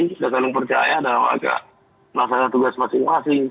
sudah saling percaya dalam agak melaksanakan tugas masing masing